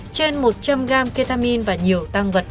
trên một trăm linh gram ketamine và nhiều tăng vật